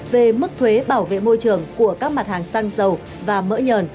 về mức thuế bảo vệ môi trường của các mặt hàng xăng dầu và mỡ nhờn